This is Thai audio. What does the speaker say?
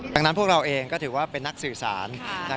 ดังนั้นพวกเราเองก็ถือว่าเป็นนักสื่อสาร